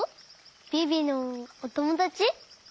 ビビのおともだち？